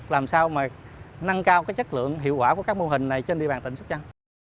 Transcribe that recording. làm sao mà nâng cao chất lượng hiệu quả của các mô hình này trên địa bàn tỉnh sóc trăng